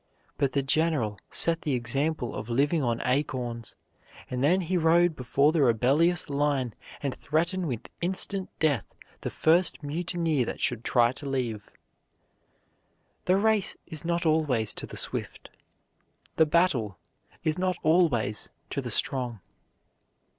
But the general set the example of living on acorns; and then he rode before the rebellious line and threatened with instant death the first mutineer that should try to leave. The race is not always to the swift, the battle is not always to the strong.